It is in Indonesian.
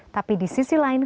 tapi di sisi lain